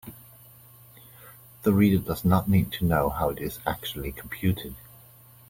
The reader does not need to know how it is actually computed.